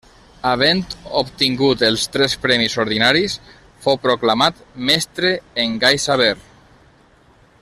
Havent obtingut els tres premis ordinaris, fou proclamat Mestre en Gai Saber.